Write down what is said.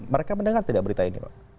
mereka mendengar tidak berita ini pak